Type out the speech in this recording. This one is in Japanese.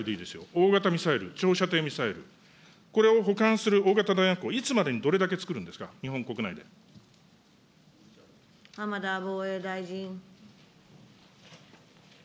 大型ミサイル、長射程ミサイル、これを保管する大型弾薬庫、いつまでにどれだけつくるんですか、浜田防衛大臣。